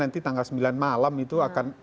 banyak sekali kejadian seperti itu